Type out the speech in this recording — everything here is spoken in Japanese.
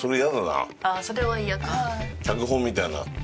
脚本みたいな。